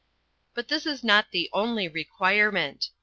But this is not the only requirement.